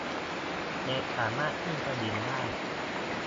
เหล็กสามารถขึ้นสนิมได้